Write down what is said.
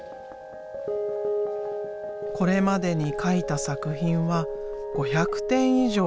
これまでに描いた作品は５００点以上。